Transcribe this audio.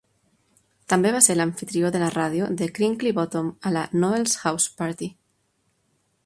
També va ser l'amfitrió de la ràdio de Crinkley Bottom a la "Noel's House Party".